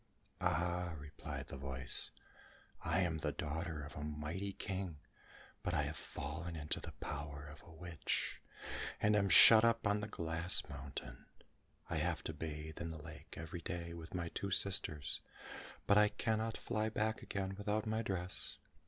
"Ah," replied the voice, "I am the daughter of a mighty King; but I have fallen into the power of a witch, and am shut up on the glass mountain. I have to bathe in the lake every day with my two sisters, but I cannot fly back again without my dress.